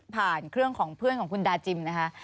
เครื่องของเพื่อนของคุณดาจิมนะคะ